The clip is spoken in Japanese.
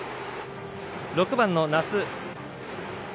６番の奈須